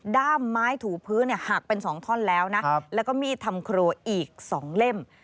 ้ามไม้ถูพื้นหักเป็น๒ท่อนแล้วนะแล้วก็มีดทำครัวอีก๒เล่ม